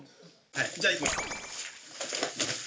じゃあいきます。